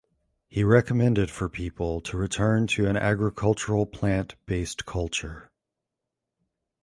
He recommended for people to return to an agricultural plant based culture.